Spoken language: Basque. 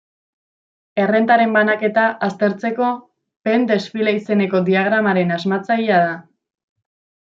Errentaren banaketa aztertzeko Pen desfile izeneko diagramaren asmatzailea da.